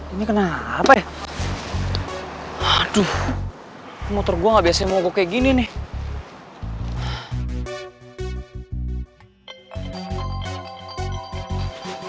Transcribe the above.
ini kenapa ya aduh motor gua nggak biasanya mogok kayak gini nih